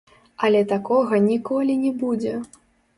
Але такога ніколі не будзе.